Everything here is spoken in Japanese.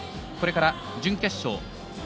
これから準決勝。